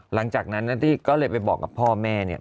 หลังจากนั้นนะที่ก็เลยไปบอกกับพ่อแม่เนี่ย